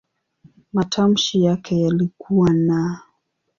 Matamshi yake yalikuwa "n".